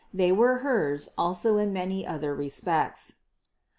They were hers also in many other respects.